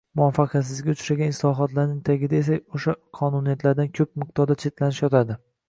Muvaffaqiyatsizlikka uchragan islohotlarning tagida esa o‘sha qonuniyatlardan ko‘p miqdorda chetlanish yotadi.